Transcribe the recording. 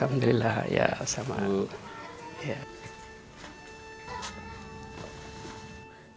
alhamdulillah ya sama'an